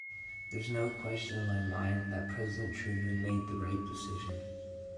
There's no question in my mind that President Truman made the right decision.